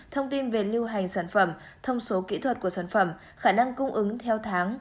thông tin về lưu hành sản phẩm thông số kỹ thuật của sản phẩm khả năng cung ứng theo tháng